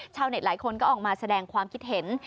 หลายคนก็ออกมาแสดงความคิดเห็น